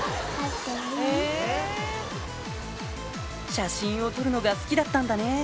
写真を撮るのが好きだったんだね